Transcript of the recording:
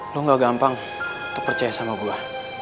lo gak gampang lo percaya sama gue